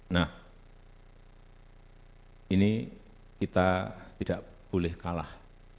nah ini kita tidak boleh kalah